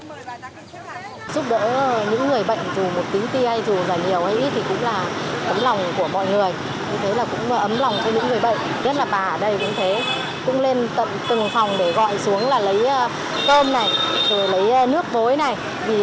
giúp đỡ những người bệnh dù một tính tiên dù là nhiều hay ít thì cũng là ấm lòng của mọi người